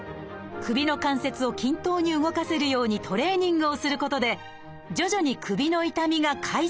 首の関節を均等に動かせるようにトレーニングをすることで徐々に首の痛みが改善。